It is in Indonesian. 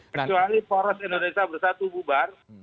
kecuali poros indonesia bersatu bubar